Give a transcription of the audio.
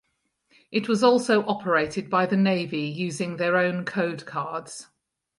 It was also operated by the Navy using their own code cards.